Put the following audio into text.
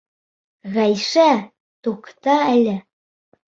Ғәйшә, туҡта әле!